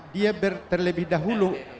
dia berterlebih dahulu